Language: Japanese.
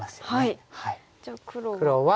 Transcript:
じゃあ黒は。